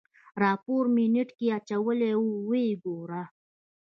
راپور مې نېټ کې اچولی ويې ګوره.